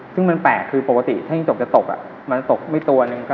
ซึ่งมันแปลกคือถ้าจกจะตก